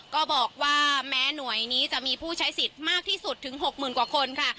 ก็บอกว่าแม้หน่วยนี้จะมีผู้ใช้สิทธิ์มากที่สุดถึง๖๐๐๐กว่าคนค่ะ